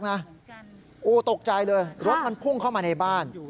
โอ้โหตกใจเลยรถมันพุ่งเข้ามาในบ้าน